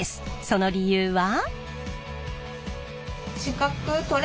その理由は。